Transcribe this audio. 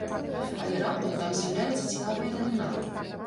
Але раптам там з'яўляецца цікавая навіна.